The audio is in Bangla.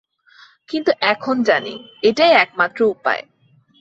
কিন্তু এখন জানি, এটাই একমাত্র উপায়।